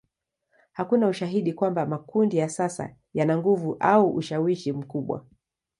Hakuna ushahidi kwamba makundi ya sasa yana nguvu au ushawishi mkubwa.